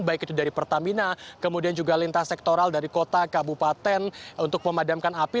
baik itu dari pertamina kemudian juga lintas sektoral dari kota kabupaten untuk memadamkan api